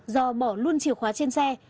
do bỏ luôn chìa khóa trên xe